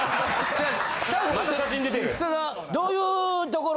じゃあ。